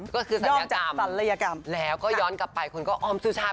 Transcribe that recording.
ก็คือศัลยกรรมแล้วก็ย้อนกลับไปคุณก็ออออมสุชาติ